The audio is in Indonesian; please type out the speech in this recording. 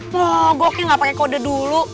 mogoknya gak pakai kode dulu